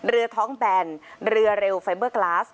เรือท้องแบนเรือเร็วไฟเบอร์กลาส